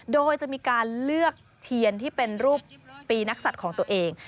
โดยจะมีการเลือกเทียนที่เป็นรูปปีนักศัตริย์ของตัวเอง